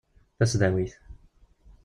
Tasdawit.